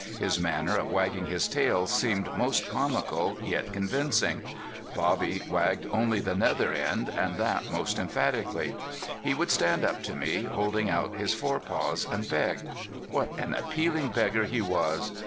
His manner of wagging his tail seemed most comical yet convincing. Bobby wagged only the nether end and that most emphatically. He would stand up to me, holding out his forepaws, and beg. What an appealing beggar he was!